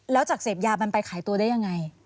แล้วจากเสพยามันไปขายตัวได้ยังไง